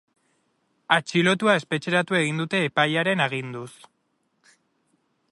Atxilotua espetxeratu egin dute epailearen aginduz.